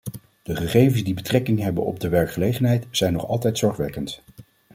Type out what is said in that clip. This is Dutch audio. De gegevens die betrekking hebben op de werkgelegenheid zijn nog altijd zorgwekkend.